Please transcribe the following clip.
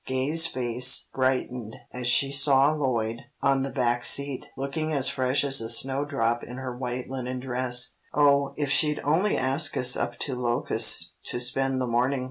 Gay's face brightened as she saw Lloyd on the back seat, looking as fresh as a snowdrop in her white linen dress. "Oh, if she'd only ask us up to Locust to spend the morning!"